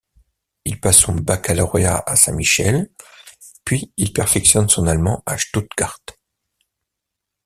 Il passe son baccalauréat à Saint-Michel, puis il perfectionne son allemand à Stuttgart.